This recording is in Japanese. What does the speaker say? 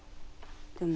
でも